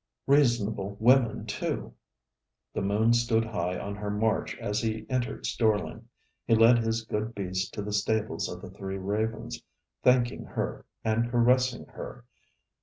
Reasonable women, too! The moon, stood high on her march as he entered Storling. He led his good beast to the stables of The Three Ravens, thanking her and caressing her.